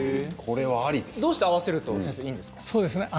どうして合わせるといいんですか。